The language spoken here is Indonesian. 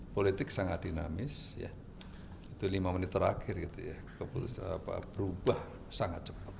politik sangat dinamis itu lima menit terakhir keputusan berubah sangat cepat